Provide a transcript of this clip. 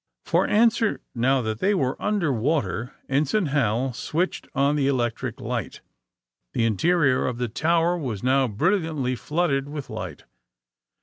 For answer, now that they were under water, Ensign Hal switched on the electric light. The interior of the tower was now brilliantly flooded with light.